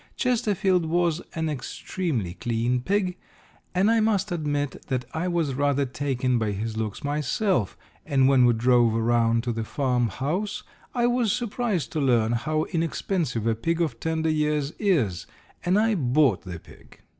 Chesterfield was an extremely clean pig, and I must admit that I was rather taken by his looks myself, and when we drove around to the farm house I was surprised to learn how inexpensive a pig of tender years is, and I bought the pig.